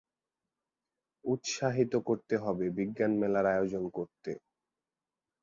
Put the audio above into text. উৎসাহিত করতে হবে বিজ্ঞান মেলার আয়োজন করতে।